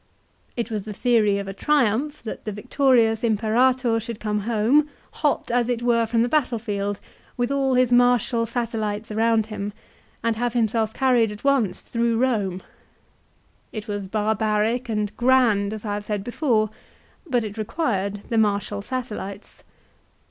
It was the theory of a Triumph that the victorious Imperator should come home, hot as .it were from the battle field, with all his martial satellites around him, and have himself carried at once through Eome. It was barbaric and grand, as I have said before, but it required the martial satellites.